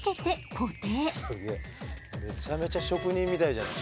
めちゃめちゃ職人みたいじゃない。